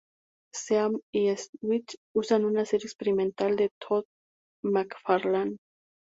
Sam y Twitch una serie experimental de Todd McFarlane.